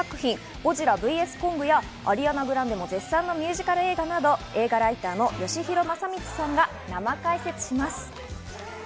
『ゴジラｖｓコング』やアリアナ・グランデも絶賛のミュージカル映画など映画ライターのよしひろまさみちさんが生解説します。